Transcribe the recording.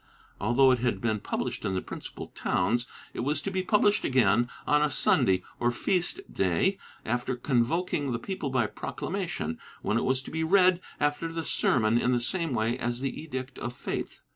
Although it had been pubHshed in the principal towns, it was to be published again, on a Sunday or feast day, after convoking the people by proclamation, when it was to be read after the ser mon in the same way as the Edict of Faith.